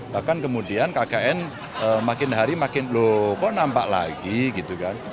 bahkan kemudian kkn makin hari makin loh kok nampak lagi gitu kan